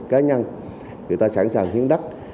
cá nhân người ta sẵn sàng hiến đất